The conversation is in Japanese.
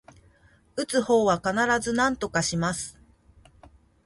打つ方は必ずなんとかします